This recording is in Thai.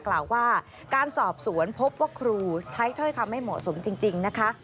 กล่าวว่าการสอบสวนพบว่าครูใช้ถ้อยคำไม่เหมาะสมจริงนะคะ